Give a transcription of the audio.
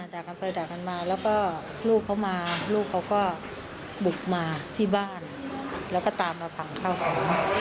ด่ากันไปด่ากันมาแล้วก็ลูกเขามาลูกเขาก็บุกมาที่บ้านแล้วก็ตามมาฝั่งข้าวของ